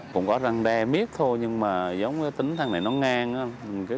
cũng có răng đe miếc thôi nhưng mà giống với tính thằng này nó ngang á